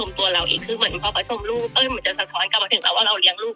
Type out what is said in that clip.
มีใครมีใคร